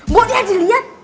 mau dia dilihat